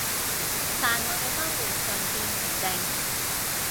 但我嘅生活尚算平靜